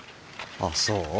あっそう？